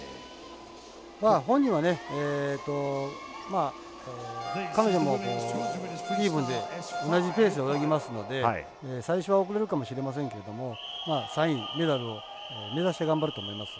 本人は、彼女もイーブンで同じペースで泳ぎますので最初は遅れるかもしれませんけれども３位メダルを目指して頑張ると思います。